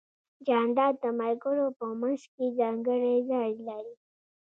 جانداد د ملګرو په منځ کې ځانګړی ځای لري.